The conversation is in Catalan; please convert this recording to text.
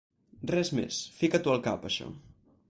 Res més. Fica-t’ho al cap, això.